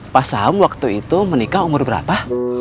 pak sam waktu itu menikah umur berapa